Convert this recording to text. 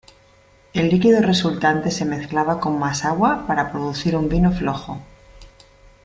El líquido resultante se mezclaba con más agua para producir un vino flojo.